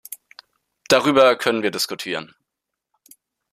Darüber können wir diskutieren.